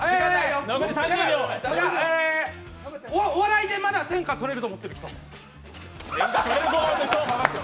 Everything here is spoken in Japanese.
お笑いで、まだ天下取れると思ってる人。